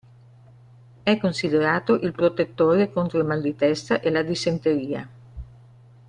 È considerato il protettore contro il mal di testa e la dissenteria.